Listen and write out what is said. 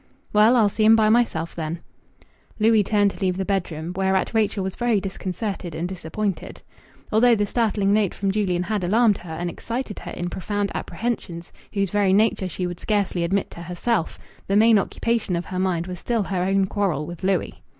"Well, I'll see him by myself, then." Louis turned to leave the bedroom. Whereat Rachel was very disconcerted and disappointed. Although the startling note from Julian had alarmed her and excited in her profound apprehensions whose very nature she would scarcely admit to herself, the main occupation of her mind was still her own quarrel with Louis.